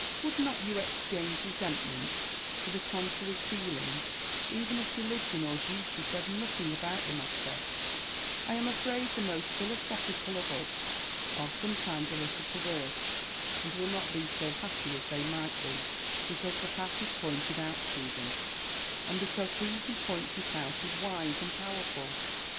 Would not you exchange resentment for the contrary feeling, even if religion or duty said nothing about the matter 1 I am afraid the most philosophical of us are sometimes a little perverse, and will not be so happy as they might be, be cause the path is pointed out to them, and because he who points it out is wise and powerful.